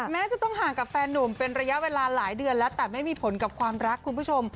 แม้จะต้องห่างกับแฟนนุ่มเป็นระยะเวลาหลายเดือนแล้วแต่ไม่มีผลกับความรักคุณผู้ชม